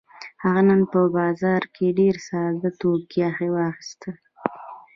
هغه نن په بازار کې ډېر ساده توکي واخيستل.